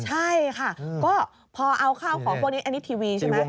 ใช่ค่ะก็พอเอาข้าวของพวกนี้อันนี้ทีวีใช่ไหม